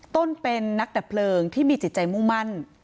ต้นเป็นนักดับเพลิงที่มีจิตใจมุ่งมั่น